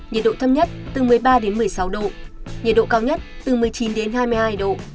nhiệt độ thấp nhất từ một mươi ba đến một mươi sáu độ nhiệt độ cao nhất từ một mươi chín đến hai mươi hai độ